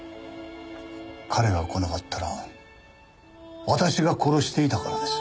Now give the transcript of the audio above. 彼が来なかったら私が殺していたからです。